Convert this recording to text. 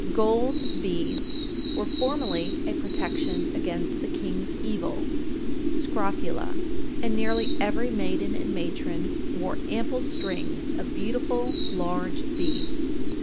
Gold beads were formerly a protection against the "King's Evil" (scrofula), and nearly every maiden and matron wore ample strings of beautiful large beads.